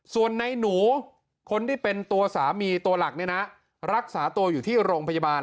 ส่วนในหนูคนที่เป็นตัวสามีตัวหลักเนี่ยนะรักษาตัวอยู่ที่โรงพยาบาล